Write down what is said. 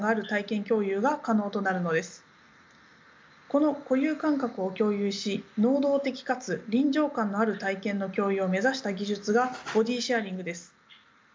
この固有感覚を共有し能動的かつ臨場感のある体験の共有を目指した技術がボディシェアリングです。